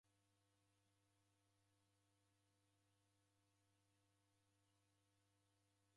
Dakunde dimanye ni w'eke ani w'inekelo kazi eagha barabara.